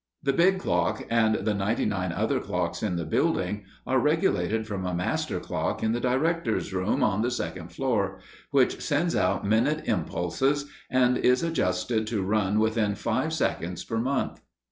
The big clock and the ninety nine other clocks in the building are regulated from a master clock in the Directors' Room, on the second floor, which sends out minute impulses, and is adjusted to run within five seconds per month.